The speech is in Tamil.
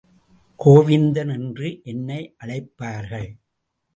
கோவிந்தன் என்று என்னை அழைப்பார்கள்.